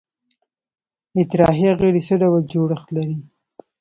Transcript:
اطراحیه غړي څه ډول جوړښت لري؟